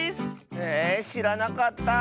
へえしらなかった！